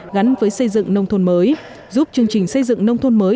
gắn với xây dựng nông thôn mới giúp chương trình xây dựng nông thôn mới